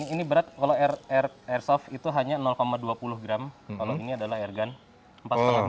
ini berat kalau airsoft itu hanya dua puluh gram kalau ini adalah airgun empat lima g